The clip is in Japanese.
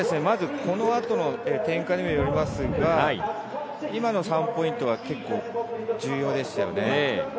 この後の展開にもよりますが、今の３ポイントは、結構重要ですよね。